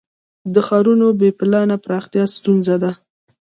د ښارونو بې پلانه پراختیا ستونزه ده.